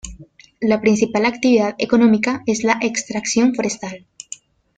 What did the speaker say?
La principal actividad económica es la extracción forestal.